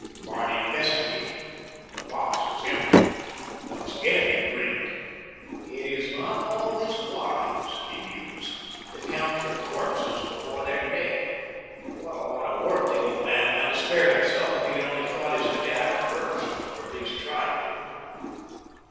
Barney investigated. The box was empty. Once again he grinned. "It is not always wise," he mused, "to count your corpses before they're dead. What a lot of work the old man might have spared himself if he'd only caught his cadaver first—or at least tried to."